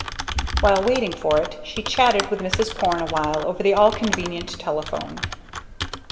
While waiting for it she chatted with Mrs. Porne awhile over the all convenient telephone.